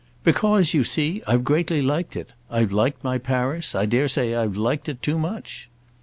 "Because, you see, I've greatly liked it. I've liked my Paris, I dare say I've liked it too much."